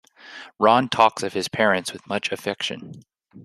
Ron talks of his parents with much affection.